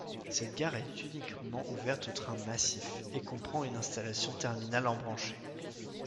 Cette gare est uniquement ouverte au train massif, et comprend une Installation terminale embranchée.